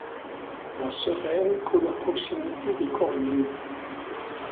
La Sereine coule à proximité de Cordieux.